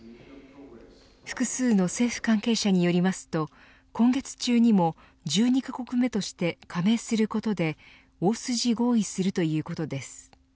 複数の政府関係者によりますと今月中にも１２カ国目として加盟することで大筋合意するということです。